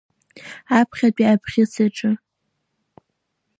Аԥхьатәи абӷьыц аҿы.